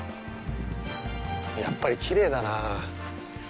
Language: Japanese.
やっぱり、きれいだなぁ。